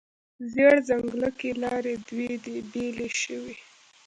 زیړ ځنګله کې لارې دوې دي، بیلې شوې